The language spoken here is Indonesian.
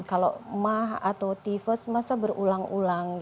kalau mah atau tifus masa berulang ulang